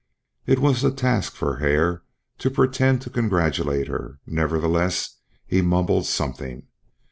It was a task for Hare to pretend to congratulate her; nevertheless he mumbled something.